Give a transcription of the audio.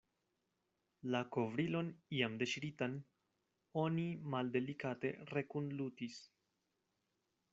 La kovrilon iam deŝiritan oni maldelikate rekunlutis.